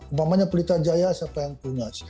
umpamanya pelita jaya siapa yang punya